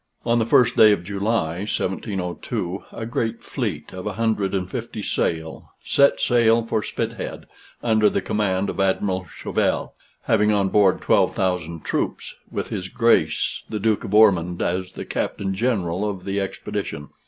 On the 1st day of July, 1702, a great fleet, of a hundred and fifty sail, set sail from Spithead, under the command of Admiral Shovell, having on board 12,000 troops, with his Grace the Duke of Ormond as the Capt. General of the expedition.